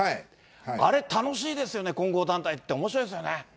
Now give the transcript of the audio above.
あれ、楽しいですよね、混合団体っておもしろいですよね。